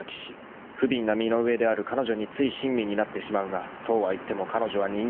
［ふびんな身の上である彼女につい親身になってしまうがそうはいっても彼女は人形である］